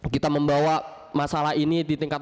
kita membawa masalah ini di tingkat